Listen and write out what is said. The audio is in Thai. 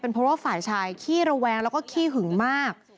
เพราะว่าฝ่ายชายขี้ระแวงแล้วก็ขี้หึงมาก